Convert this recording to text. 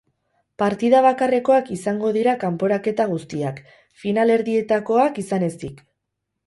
Partida bakarrekoak izango dira kanporaketa guztiak, finalerdietakoak izan ezik.